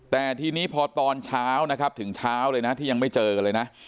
แต่ทีนี้พอตอนเช้านะครับถึงเช้าเลยนะที่ยังไม่เจอกันเลยนะ